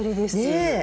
ねえ。